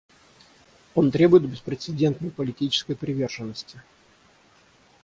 Он требует беспрецедентной политической приверженности.